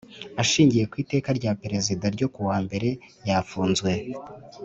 Ashingiye ku Iteka rya Perezida ryo kuwa mbere yafunzwe.